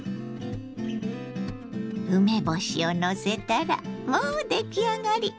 梅干しをのせたらもう出来上がり！